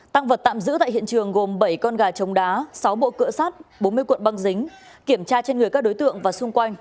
tăng vật tạm giữ tại hiện trường gồm bảy con gà trống đá sáu bộ cựa sát bốn mươi cuộn băng dính kiểm tra trên người các đối tượng và xung quanh